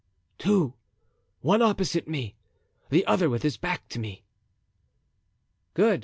"Two. One opposite to me, the other with his back to me." "Good.